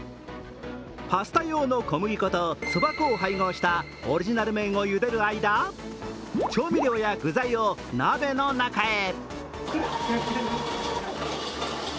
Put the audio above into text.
パスタ用の小麦粉とそば粉を配合したオリジナル麺を茹でる間、調味料や具材を鍋の中へ。